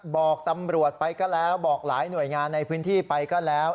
บอกตำรวจไปก็แล้วบอกหลายหน่วยงานในพื้นที่ไปก็แล้ว